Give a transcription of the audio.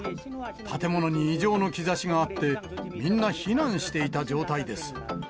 建物に異常の兆しがあって、みんな避難していた状態です。